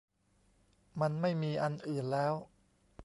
มันไม่มีอันอื่นแล้ว